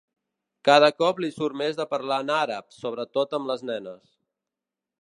Cada cop li surt més de parlar en àrab, sobretot amb les nenes.